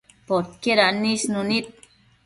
Podquied anisnu nid